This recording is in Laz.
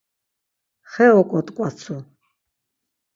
Xe oǩot̆ǩvatsu!